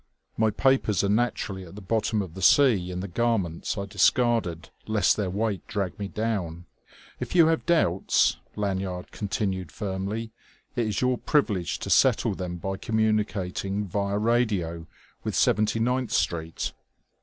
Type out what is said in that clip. "My papers are naturally at the bottom of the sea, in the garments I discarded lest their weight drag me down. If you have doubts," Lanyard continued firmly, "it is your privilege to settle them by communicating via radio with Seventy ninth Street."